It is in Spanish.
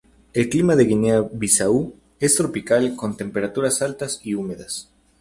El clima de Guinea-Bisáu es tropical con temperaturas altas y húmedas.